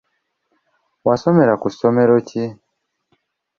Wasomera mu masomero ki ?